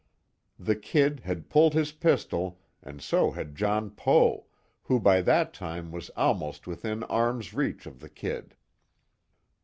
The "Kid" had pulled his pistol, and so had John Poe, who by that time was almost within arm's reach of the "Kid."